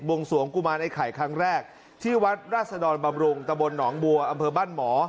วงสวงกุมารไอ้ไข่ครั้งแรกที่วัดราชดรบำรุงตะบนหนองบัวอำเภอบ้านหมอ